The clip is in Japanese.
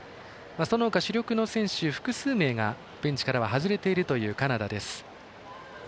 そのほか、主力の選手複数名はベンチから外れているというカナダです。